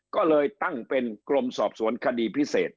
ก็เลยตั้งเป็นกรมสอบสวนคดีพิเศษ